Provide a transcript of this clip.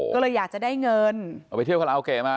ก็เลยอยากจะได้เงินเอาไปเที่ยวคาราโอเกะมา